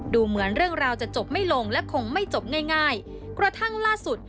ดูเหมือนเรื่องราวจะจบไม่ลงและคงไม่จบง่ายง่ายกระทั่งล่าสุด